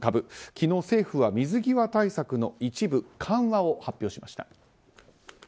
昨日、政府は水際対策の一部緩和を発表しました。